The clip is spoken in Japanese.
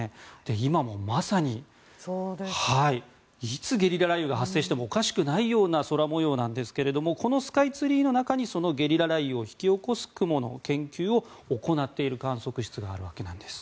今まさにいつゲリラ雷雨が発生してもおかしくないような空模様なんですけれどもこのスカイツリーの中にそのゲリラ雷雨を引き起こす雲の研究を行っている観測室があるわけです。